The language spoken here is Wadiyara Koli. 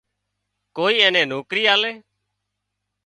ڪوئي نين نوڪرِي آلي